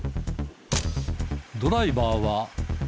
ドライバーは。